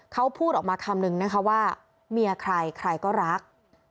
เขาพูดออกมาคำนึงนะคะว่าเมียใครใครก็รัก